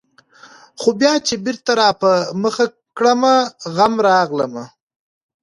خو بيا چي بېرته راپه مخه کړمه غم ، راغلمه